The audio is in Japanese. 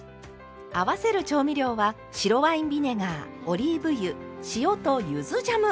合わせる調味料は白ワインビネガーオリーブ油塩とゆずジャム！